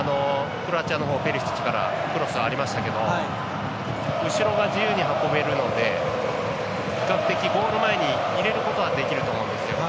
クロアチアのほうペリシッチからクロスがありましたけど後ろが自由に運べるので比較的ゴール前に入れることはできると思うんですよ。